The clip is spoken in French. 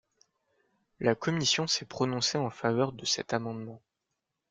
La commission s’est prononcée en faveur de cet amendement.